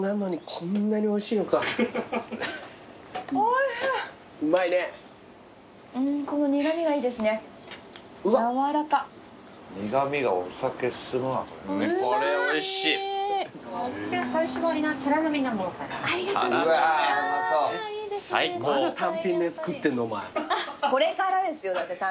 これからですよだって単品私は。